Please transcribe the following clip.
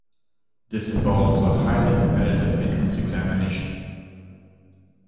This involves a highly competitive entrance examination.